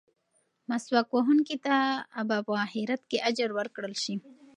مسواک وهونکي ته به په اخرت کې اجر ورکړل شي.